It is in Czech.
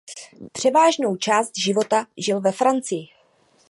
Převážnou část života žil ve Francii.